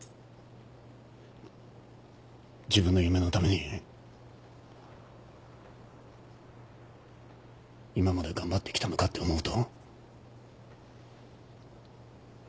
自分の夢のために今まで頑張ってきたのかって思うと。